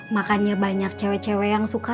makanya banyak cewek cewek yang suka